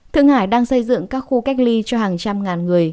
thượng hải đang xây dựng các khu cách ly cho hàng trăm ngàn người